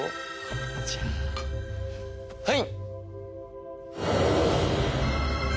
じゃあはい！